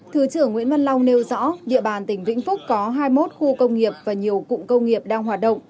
thứ trưởng nguyễn văn long nêu rõ địa bàn tỉnh vĩnh phúc có hai mươi một khu công nghiệp và nhiều cụm công nghiệp đang hoạt động